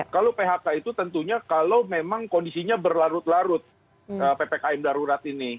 kalau phk itu tentunya kalau memang kondisinya berlarut larut ppkm darurat ini